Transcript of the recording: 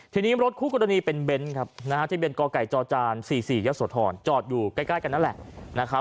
ที่นี้รถคู่กรณีเป็นเบนที่เบนกไก่จจาน๔๔ยสวทรจอดอยู่ใกล้กันนั้นแหละ